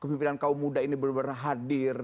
pemimpinan kaum muda ini benar benar hadir